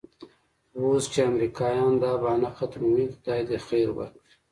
اوس چې امریکایان دا بهانه ختموي خدای دې خیر ورکړي.